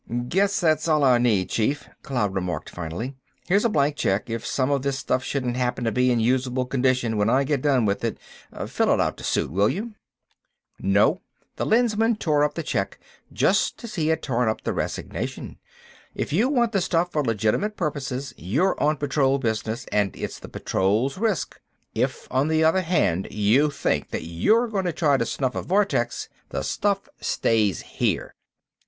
"Guess that's all I'll need, Chief," Cloud remarked, finally. "Here's a blank check. If some of this stuff shouldn't happen to be in usable condition when I get done with it, fill it out to suit, will you?" "No," and the Lensman tore up the check just as he had torn up the resignation. "If you want the stuff for legitimate purposes, you're on Patrol business and it is the Patrol's risk. If, on the other hand, you think that you're going to try to snuff a vortex, the stuff stays here.